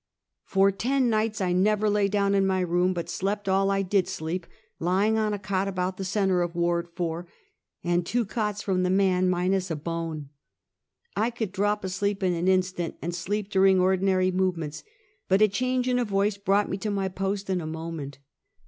For ten nights I never lay down in my room ; but slept, all I did sleep, lying on a cot about the center of Ward Four, and two cots from the man minus a bone. I could drop asleep in an instant, and sleep during ordinary movements; but a change in a voice brought me to my post in a moment.